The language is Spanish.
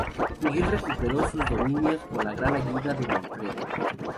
Miguel recuperó sus dominios con la gran ayuda de Manfredo.